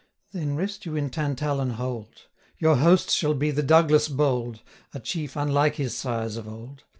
Then rest you in Tantallon Hold; Your host shall be the Douglas bold, 430 A chief unlike his sires of old.